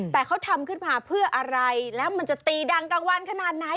แต่เขาทำขึ้นมาเพื่ออะไรแล้วมันจะตีดังกลางวันขนาดไหน